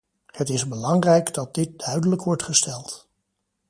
Het is belangrijk dat dit duidelijk wordt gesteld.